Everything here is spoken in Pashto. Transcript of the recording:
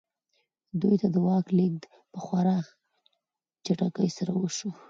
دوی ته د واک لېږد په خورا چټکۍ سره وشو.